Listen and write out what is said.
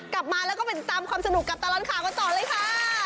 กลับมาแล้วก็ไปติดตามความสนุกกับตลอดข่าวกันต่อเลยค่ะ